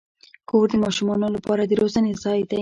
کور د ماشومانو لپاره د روزنې ځای دی.